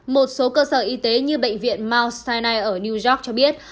một số cơ sở y tế như bệnh viện mount sinai ở new york cho biết